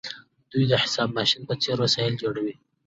دوی د حساب ماشین په څیر وسایل جوړوي.